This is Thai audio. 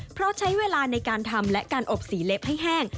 เพราะใช้เวลาในการทำและการอบสีเล็บให้แห้ง